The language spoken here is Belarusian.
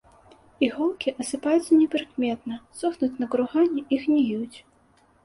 Іголкі асыпаюцца непрыкметна, сохнуць на кургане і гніюць.